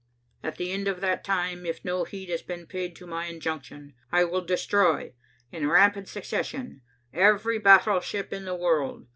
At the end of that time, if no heed has been paid to my injunction, I will destroy, in rapid succession, every battleship in the world.